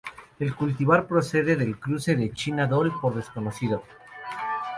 El cultivar procede del cruce de 'China Doll' x Desconocido.